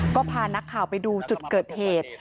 ก็พานักข่าวไปดูจุดเกิดเหตุ